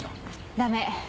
ダメ。